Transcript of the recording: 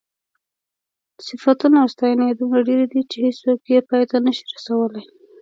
صفتونه او ستاینې یې دومره ډېرې دي چې هېڅوک یې پای ته نشي رسولی.